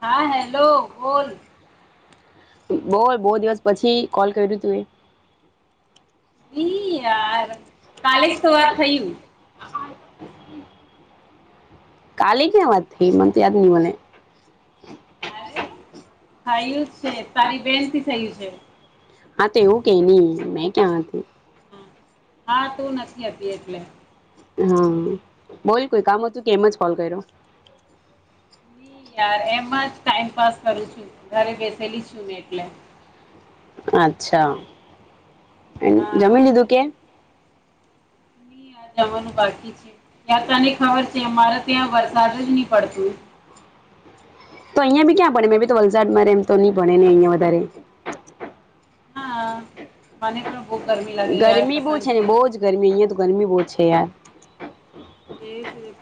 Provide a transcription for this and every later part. હા હેલો બોલ. બોલ બહુ દિવસ પછી કોલ કર્યું તું એ વી યાર કાલેસ તો વાત થયું. હા. [inaudible] કાલે ક્યાં વાત થઈ મન તો યાદ નહી મને. અરે થયું જ છે તારી બેનથી થયું છે. મે ક્યાં હતી. હ હા તું નથી હતી એટલે હહ બોલ કોઈ કામ હતું કે એમ જ કોલ કર્યો? તું એ યાર એમજ ટાઈમપાસ કરું છું. ઘરે બેસેલી છું ને એટલે અચ્છા. એમ હા જમી લીધું કે? જમવાનું બાકી છે. યાર તને ખબર છે અમારે ત્યાં વરસાદ જ ની પડતું. તો અહિયાં ભી ક્યાં પડે મેં ભી તો વલસાડ મારે એમ તો નહી ભણે ને અહિયાં વધારે હા મને પણ બહુ ગરમી લાગે યાર ગરમી બહુ છે ને કસમથી બોવ જ ગરમી અહિયાં તો ગરમી બહુ જ છે યાર. એ જ ને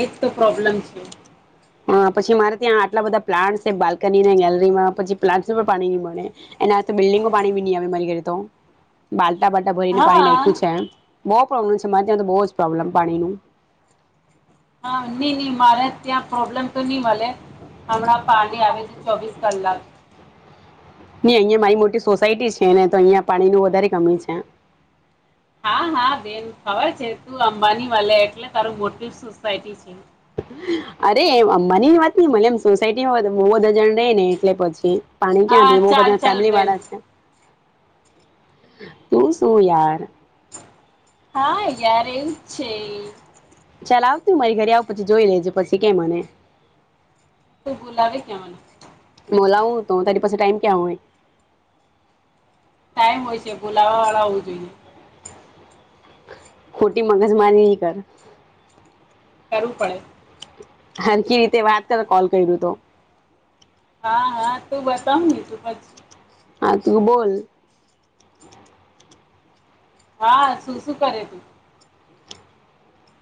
એ જ તો પ્રોબ્લમ છે. હહ પછી મારે ત્યાં આટલા બધા પ્લાન્ટસ છે, બાલ્કનીને, ગેલરીમાં પછી પ્લાન્ટસને પણ પાણી ની મળે. એના હથે બિલ્ડિંગમાં પાણી બી ની આવે મારી ઘરે તો બાલ બટાબાટા ભરીને પાણી હા નાખ્યું છે. બહુ પ્રોબ્લેમ છે મારે ત્યાં તો બહુ જ પ્રોબ્લેમ પાણીનું હા નહીં નહીં મારા જ ત્યાં પ્રોબ્લેમ તો ની મલે હમણાં પાણી આવેે છે ચોબીસ કલાક. અહિયાં મારી મોટી સોસાયટી છેને તો અહિયાં પાણીનું વધારે કમી છે. હા હા બેન ખબર છે તું અંબાની વાલે એટલે તારું મોટી સોસાયટી છે. અરે મને એ વાત ની મને એમ સોસાયટીમાં બહુ બધા જણ રે ને એટલે પછી પાણી ક્યાં હા દ બ ચાલ બધા ચાલ ફેમિલી બેન વાળા છે તું શું યાર [inaudible] હા યાર છે ચાલ આવતું મારી ઘરે આવ પછી જોઈ લેજ પછી કે મને તું બોલાવે કે મને લવું તો તારી પાસે ટાઈમ કવાય ટાઈમ હોય છે બોલાવા વાળા હોવું જોઈને ખોટી મગજમારી નહી કર કરવું પડે હારકી રીતે વાત કર કોલ કર્યું તો હા હા તું બતાવ બીજું પછી હા તું બોલ હા શું શું કરે તું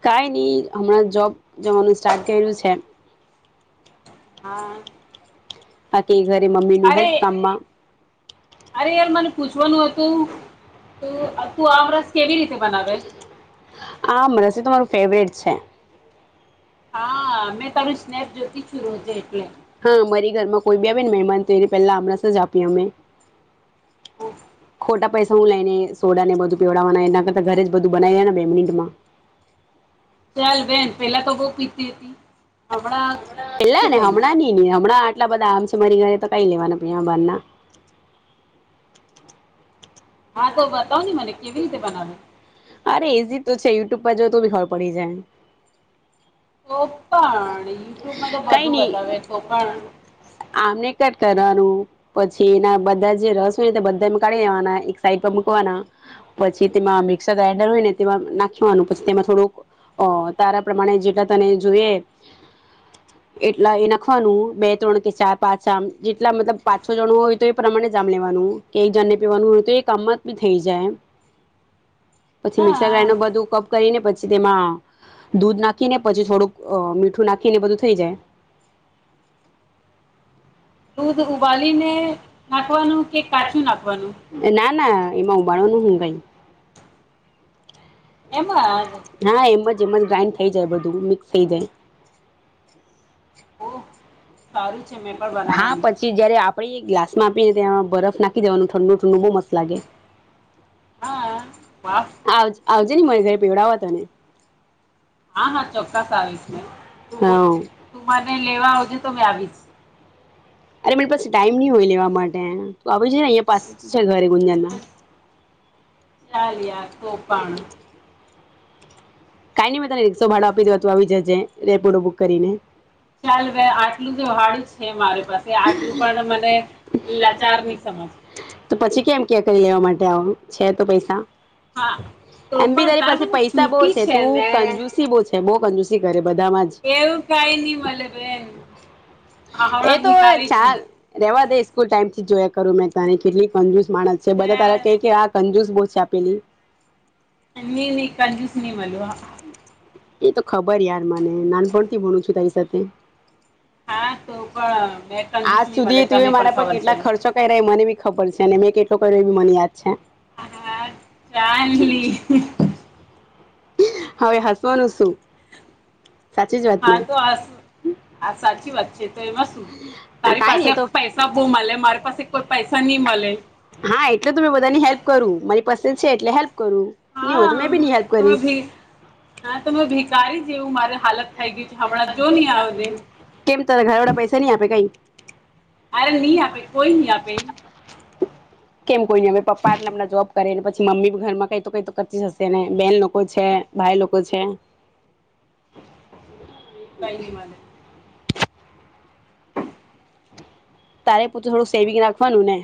કઈ નહી હમણાં જોબ જવાનું સ્ટાર્ટ કર્યું છે હા બાકી ઘરે મમ્મીનું અરે હેલ્પ કામમાં અરે યાર મને પૂછવાનું હતું તું આમ રસ કેવી રીતે બનાવે આમ રસી તમારું ફેવરેટ છે હા મેં તારું સ્નેપ જોતી શુંર્યું છે એટલે કેવન મહેમાન તેને પહેલા અમણાંતજ આપી અમે ખોટા પૈસા છું લઈને સોડા ને બધું પીવડાવવાના એના કરતા ઘરે જ બધું બનાવીયા ને બે મિનિટમાં ચાલ ભેન પેલા તો બુકતી હતી આપણા પેલા ને હમણાં નઈ હમણાં એટલા બધા આમ છે મારી ગારે તો કઈ લેવાના પ બાર ના હા તો બતાવ ને મને કેવી રીતે બનાવ્યું ટુપ્પા જો તો બીઘર પડી જાય તો પણ યુટ્યુબમાં તો કઈ બધું નઈ બતાવે તો પણ આમને કટ કરવાનું પછી એના બધા જે રસ હોય ને બધા કાઢી લેવાના સા પછી તેમાં મિક્સર ગ્રાઇન્ડર હોયને તેમાં નાખવાનું પછી તેમાં થોડુંક તારા પ્રમાણે જેટલા તને જોઈએ એટલા એ નાખવાનું બે ત્રણ કે ચાર પાંચ આમ જેટલા મતલબ પાછ છો જણ હોય તો એ પ્રમાણે જ આમ લેવાનું કે એક જણને પીવાનું હોય તો કમત બી થઈ જાય પછીિક્સર હા ગ્રાન્ડર બધું કપ કરીને પછી પ તેમાં દૂધ નાખીને પછી થોડુંક મીઠું નાખીને બધું થઈ જાય દૂધ ઉબાલીને નાખવાનું કે કાચું નાખવાનું ના ના એમાં ઉબાડવાનું હું કઈ એમાં એમજ હા એમજ જેમન ગ્રાઈન્ડ થઈ જાય બધું મિક્સ થઈ જાય. [inaudible] ઓહ સારું છે મેં પણ હા બનાવવાનું પછી જયારે આપણી એ ગ્લાસ માપીને ત્યાં બરફ નાખી દેવાનું ઠંડુ ઠંડુ બહુ મસ્ત લાગે. હા વાહ આવ આવ જેને મારી ઘરે પીવડાવા તને. હા હા ચોક્કસ આવીશ ને હા. તું મને લેવા આવજે તો મેં આવીશ. અરે મરી પાસે ટાઈમ ની હોય લેવા માટે. તું આવે છે ને અહીંયા પાસે તો છે ઘરે ગુંજણમાં. ચાલિયા તો પણ. કાઈ ની મેં તને રીકસો ભાડો આપી દેવા તું આવી જજે રેપીડો બુક કરીને. ચાલવે આટલું તો ભાડું છે મારી પાસે આટલું પન મને લાચાર ની સમજ. તો પછી કેમ કે કે લેવા માટે આવ છે તો પૈસા. તો હા એમ બી પણ તારી તાર પાસે પણ પૈસા બોહ સુતી છે તું ને કંજુસી બોવ છે. બહુ કંજુસી કરે. બધામાં જ એવું કઈ કંઈ નહી ની મલે મળે બેન હા એ હમણાં તો ભિકારી છું ચાલ રેવા દે સ્કૂલ ટાઈમથી જોયા. કરું મેં તને કેટલી કંજૂસ માણસ છે. બધાં તારા કે કે આ કંજુસ બહુ ચાપેલી ની ની કંજૂસ ની મલવા એ તો ખબર યાર મને નાનપણથી ભોનું છું તારી સાથ તે હા તું પણ મેં કંજૂસ આજ ની મલે સુધી તું એ તને મારા પણ પર ખબર છે. કેટલા ખર્ચો કર્યા એ મને બી ખબર અને મેં કેટલો કર્યો એ મને યાદ છે હા ચાલની હવે હસવાનું શું સાચી જ વાત ને? હા તો આ હા સાચી વાત છે તો એમાં શું? હા તારી કાઈ પાસે ની એ તો પૈસા બહુ મળે મારી પાસે કોઈ પૈસા નહી મળે [inaudible] હા એટલે તો મેં બધાની હેલ્પ કરું મારી પાસે છે એટલે હેલ્પ કરું ની હોય તો મે બી ની હા હેલ્પ તમે કરીશ. ભી હા તમે ભિકારી [unintelligible] જેવું મારે હાલત થઈ ગયું છે હમણાં જો નહી આવને કેમ તને ઘર વાળા પૈસા નહી આપે કઈ. અરે નહી આપે કોઈ નહી આપે. કેમ કોઈ ની અમે પપ્પા એટલા [unintelligible] જોબ કરે નેપછ ચી મમ્મી બી ઘરમાં કઈ તો કઈ તો કરતી હશે ને બેન લોકો છે ભાઈ લોકો છે. કઈ નિ મલે. તારે પોતે થોડુંક સેવિંગ રાખવાનું ને.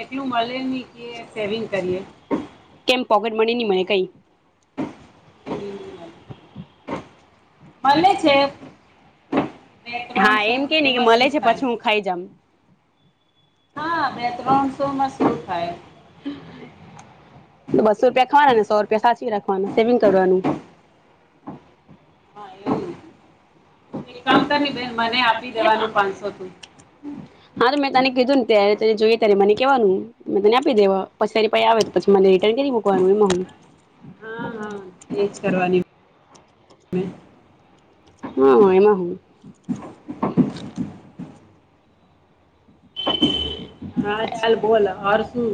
એટલું મળે ની કે સેવિંગ કરીએ. કેમ પોકેટ મની ની મળે કઈ. ની ની મલ મલે છે. બે હા ત્રણસો એમ કે ની એમાં મળે શું છે થાય પછી હું ખાઈ જામ. હા બે ત્રણસોમાં શું થાય. ત બસો રૂપિયા ખાવાના ને સો રૂપિયા સાચવી રાખવાનું સેવિંગ કરવાનું. હા એવું. એક હા કામ કરની બેન મને આપી દેવાનું પાંચસો તું તો મેં તને કીધું ને ત્યારે તેયે જોઈએ ત્યારે મને કહેવાનું મેં તને આપી દેવા. પછી તારી પાહે આવે તો પછી મને રિટર્ન કરી મકવાનું એમા હુ. મેં. હ એમાં હુ. હા ચાલ બોલ ઓર શું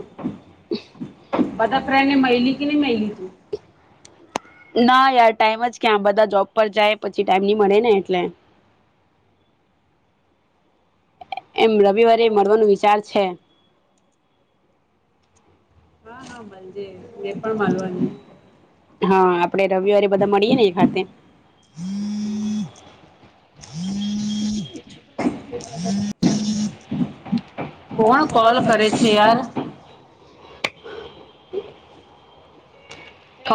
બધા ફને મયલી કે નહી મહિલી તું. ના યાર ટાઈમ જ ક્યા બધા જોબ પર જાય પછી ટાઈમ નની મળે ને એટલે. એમ રવિવારે મળવાનો વિચાર છે. હા હા માલજે. એ પણ માલવા ની. હા આપડે રવિવારે બધા મળીએ ને એક હાતે. [unintelligible] કોણ કોલ કરે છે યાર.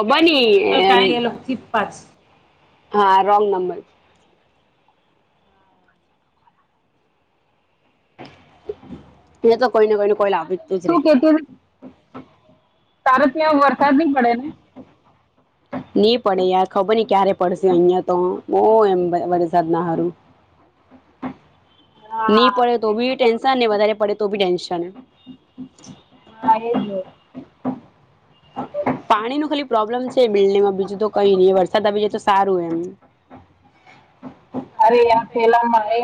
બની કઈ એમ એ લોકો થી પાછ હા રોંગ નંબર. એ તો કોઈને કોઈને કોઈ લ આપી તુજરે. તારો ત્યાં વરસાદ ની પડે એમ. નહી પડે યાર ખબર નઈ ક્યારે પડશે અહિયાં તો બ એમ વરસાદ ના હારું. હા નહી પડે તો બીન્. ને વધારે પડે તો ભી ટેન્શન. હા એજ. હમ [unintelligible] પાણી ન ખાલી પ્રોબ્લેમ છે બિલ્ડીંગમાં બીજું તો કઈ નહી વરસાદ આવી જાય તો સારું એમ. અરે પેલા મારે.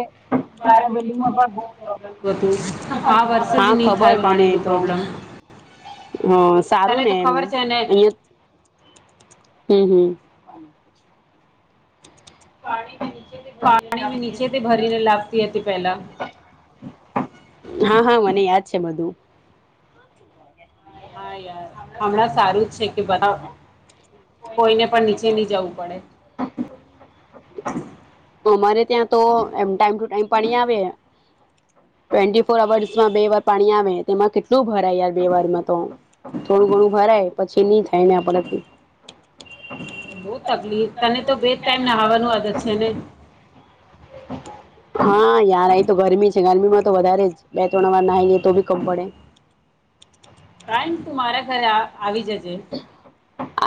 મારા બિલ્ડિંગમાં પણ બ હતું આ વર્ષે હા જ નહી ખબર થાય મને પાણી એ ન તો પ્રોબ્લમ હ સારું તને ને તો એમ ખબર છે ને. અહિયાં હમ હમ. [unintelligible] પાણી પ. પાણી નીચેથી ભરીને લાગતી હતી પેલા. હા હા ી વા. [unintelligible] હા યાર હમણાં સારું જ છે કે બધા કોઈને પણ નીચે નહી જવું પડે. અમારે ત્યાં તો એ ટાઈમ ટુ ટાઈમ પાણી આવે ટ્વેન્ટી ફોર અર્સમાં બે વાર પાણી આવે તેમાં કેટલું ભરાય યાર બે વારમાં તો. થોડું ઘણું હરાય પછી નઈ થાય ને પડેથી. બહુ તકલીફ તને તો બેજ ટાઈમ નહાવાનું આદત છે ને. હા યાર અ તો ગરમી છે ગરમી માં તો વધારે જ બે ત્રણ વાર નાહી લઈએ તો ભી કમ પડે. તાયપ મારાગરા. આવી જજે.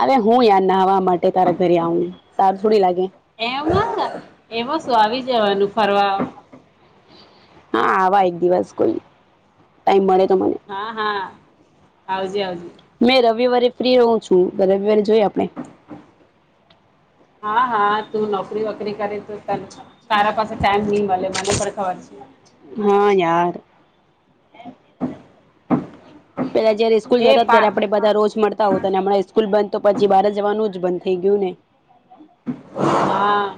અરે હું યાાર નાવા માટે તારા ઘરે આવું સારસોડી લાગે. એમ. [unintelligible] એમાં શું આવી જવાનું ફરવા. હા આવા એક દિવસ કોઈ ટાઈમ મળે તો. મને હા હા આવજ આવજ. મેં રવિવારે ફ્રી રહું છું રવિવારે. જોઈ આપણે. હા હા તું નોકરી વોકરી કરે તો ત. કારારા પાસે ટાઈમ નિન વા. આગ પણ ખવાર છે. હા યાર. પેલા જયારે સ્કૂલ જતા છે એ હતા પા ત્યારે આપણે બધા રોજ મળતા હો હતા અને હણાં સ્કૂલ બ. તો પછી બાર જવાનું જ બંધ થઈ ગયું ને. હા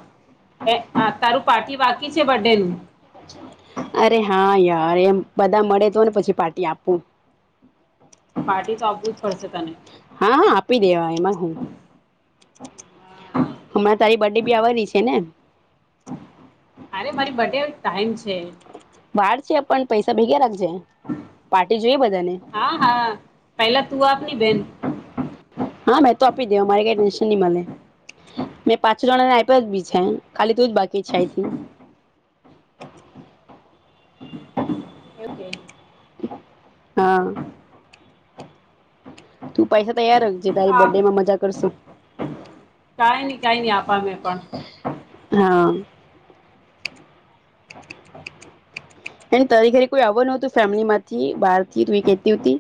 એ તારું પાર્ટી બાકી છે બર્ ડેનુંું. હા અરે એમ બધા મળે તો ને પછી પાર્ટી આપવું. પાર્ટી તો આપવું જ પડશે તને હા હા આપ. પી દેવાય એમાં હું. હા હમણાં તારી બડે બી આવવાની છે ને. અરે મારી બર્ડે ટાઈમ છે. વાળ છે પણ પૈસા ભેગે રાખ પાર્ટી જોઈ બધાને હા હા પેલા તું આપની બેન હા. સો આપી દે મારે કે મળ મે પાછ જણાને આપ્યા બીછા ખાલી ત જ બાકીછથી ઓકે. હા. તું પૈસા તેર છે તારી બર્ડે મા મજા કરશું. કાઈ નઈ કઈ નઈ આપા મે પણ એ તારી ઘરે કોઈ આવ નતું ફેમિલી માંથી બહાર થી તું એ કેતીતી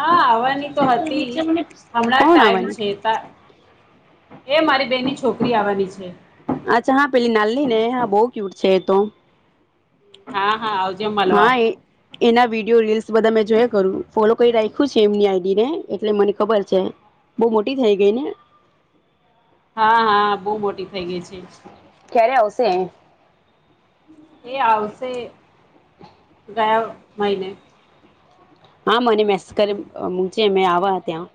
હા આવવાની તો હતી હમણાં કોણ ટાઈમ આવવાની? છે ત અચ્છા હા પેલી નાલલી ને હા બહુ કવ શેતો હા હા આવજે મળલવા. એના વિડીયો રીલ્સ બધા મે જોયા કરું ફોલો કરી રાખ્યું છે એમની આઈડીને એટલે મને ખબર છે બહુ મોટી થઈ ગઈ ને. હા હા બહુ મોટી થઇ ગઈ છે. ક્યારે આવશે? એ આવશે ગયા મહિને. હા મને મે સંમસ્કાર જે મેં આવા ત્યાં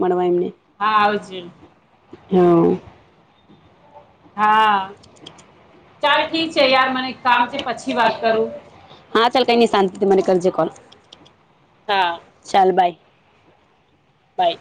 મળવા એમને હા આવજ જા છે હા ચાલ ઠીક છે યાર મને કામ છે પછી વાત કરું ચાલ કઈ નઈ શાંતિ મને કરજે કોલ હા ચાલ ભાઈ. બાય.